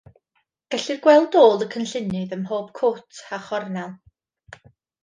Gellir gweld ôl y cynllunydd ym mhob cwt a chornel.